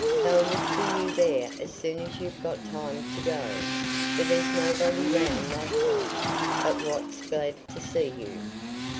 They'll look for you there as soon as you've got time to go, for there's nobody round that hearth but what's glad to see you."